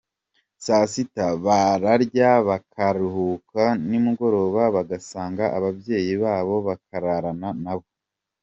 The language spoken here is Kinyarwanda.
Saa sita bararya, bakaruhuka nimugoroba bagasanga ababyeyi babo bakararana nabo.